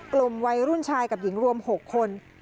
กลุ่มวัยรุ่นชายกับหญิงรวม๖คน